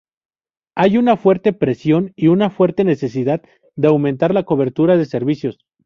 Hay una fuerte presión y una fuerte necesidad de aumentar la cobertura de servicios.